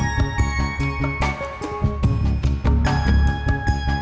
oke tidak ada lagi siapa lagi